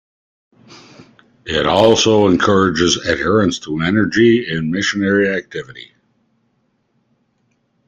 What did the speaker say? It also encourages adherents to engage in missionary activity.